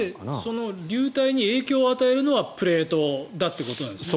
その流体に影響を与えるのはプレートだということですよね。